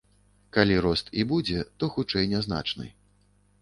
Калі рост і будзе, то, хутчэй, нязначны.